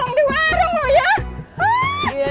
taunya nongkrong di warung lo ya